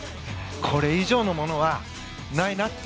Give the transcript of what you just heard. これ以上のものはないなって。